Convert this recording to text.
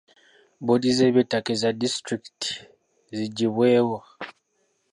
Bboodi z’eby'ettaka eza disitulikiti (District Land Boards) ziggyibwewo.